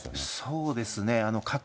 そうですね。